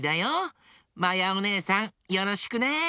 まやおねえさんよろしくね。